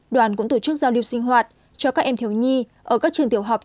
đoàn cũng tổ chức giao lưu sinh hoạt cho các em thiếu nhi ở các trường tiểu học